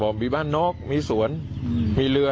อ๋อบอกว่ามีบ้านนอกมีสวนมีเรือ